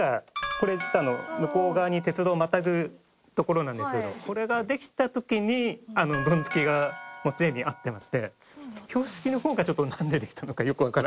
これ実は向こう側に鉄道またぐ所なんですけどこれができた時にドンツキがすでにあってまして標識の方がちょっとなんでできたのかよくわからない。